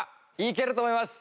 いけると思います！